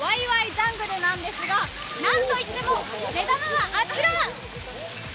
ジャングルなんですが、なんといっても、目玉はあちら！